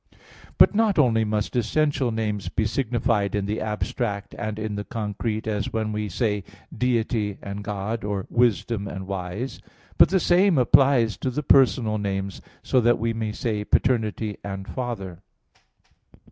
But not only must essential names be signified in the abstract and in the concrete, as when we say Deity and God; or wisdom and wise; but the same applies to the personal names, so that we may say paternity and Father.